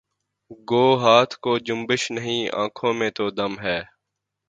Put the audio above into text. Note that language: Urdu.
گو ہاتھ کو جنبش نہیں آنکھوں میں تو دم ہے